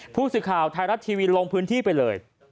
ผู้สื่อข่าวไทยรัฐทีวีลงพื้นที่ไปเลย